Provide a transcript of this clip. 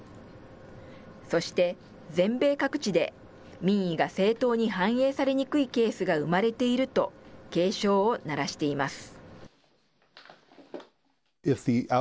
そして、全米各地で民意が正当に反映されにくいケースが生まれていると、警鐘を鳴らしています。